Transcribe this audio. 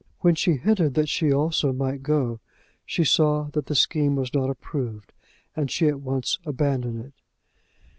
When she hinted that she also might go, she saw that the scheme was not approved, and she at once abandoned it.